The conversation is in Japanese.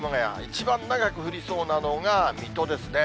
一番長く降りそうなのが水戸ですね。